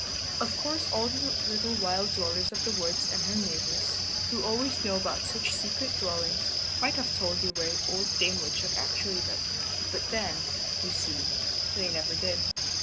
Of course all the little wild dwellers of the woods and her neighbors, who always know about such secret dwellings, might have told you where old Dame Woodchuck actually lived, but then, you see, they never did.